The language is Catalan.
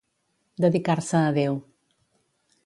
Dedicar-se a Déu.